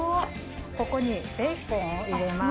ここにベーコンを入れます。